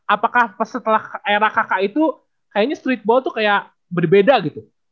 apakah setelah era kakak itu kayaknya streetball tuh kayak berbeda gitu